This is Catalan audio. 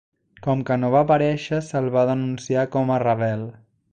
Com que no va aparèixer, se'l va denunciar com a rebel.